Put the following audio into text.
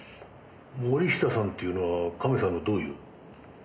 森下さんっていうのはカメさんのどういう？